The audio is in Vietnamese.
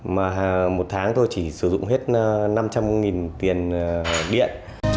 mà một tháng tôi chỉ sử dụng hết năm trăm linh tiền điện